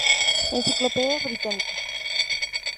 Enciclopedia Británica.